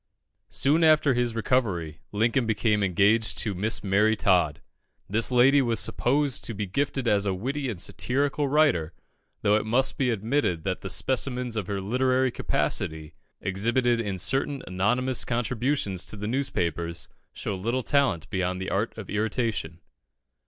Soon after his recovery, Lincoln became engaged to Miss Mary Todd. This lady was supposed to be gifted as a witty and satirical writer, though it must be admitted that the specimens of her literary capacity, exhibited in certain anonymous contributions to the newspapers, show little talent beyond the art of irritation.